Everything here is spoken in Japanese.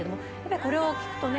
これを聴くとね